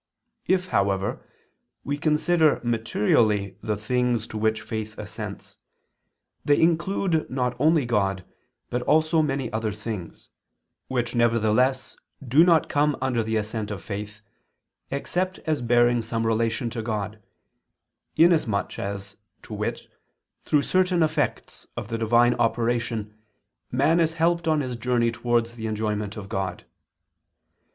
If, however, we consider materially the things to which faith assents, they include not only God, but also many other things, which, nevertheless, do not come under the assent of faith, except as bearing some relation to God, in as much as, to wit, through certain effects of the Divine operation, man is helped on his journey towards the enjoyment of God.